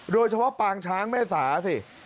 โดยเฉพาะปางช้างแม่สาสิ